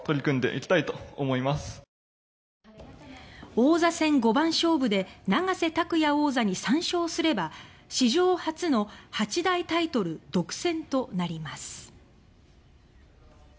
王座戦５番勝負で永瀬拓矢王座に３勝すれば史上初の８大タイトル独占となります。